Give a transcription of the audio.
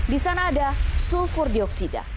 di sana ada sulfur dioksida